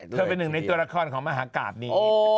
เป็นหนึ่งในตัวละครของมหากราบนี้